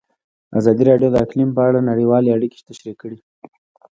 ازادي راډیو د اقلیم په اړه نړیوالې اړیکې تشریح کړي.